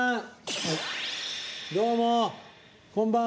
どうも、こんばんは。